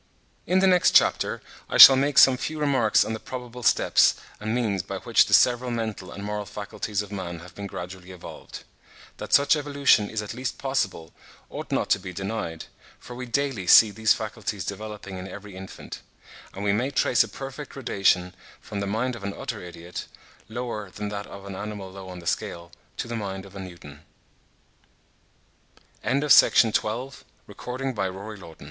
In the next chapter I shall make some few remarks on the probable steps and means by which the several mental and moral faculties of man have been gradually evolved. That such evolution is at least possible, ought not to be denied, for we daily see these faculties developing in every infant; and we may trace a perfect gradation from the mind of an utter idiot, lower than that of an animal low in the scale, to the mind of a Newton. CHAPTER V.